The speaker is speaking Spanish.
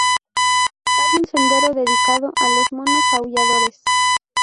Hay un sendero dedicado a los monos aulladores.